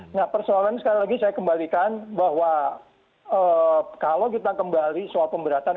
nah persoalan sekali lagi saya kembalikan bahwa kalau kita kembali soal pemberatan